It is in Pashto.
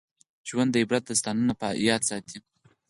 ژوندي د عبرت داستانونه یاد ساتي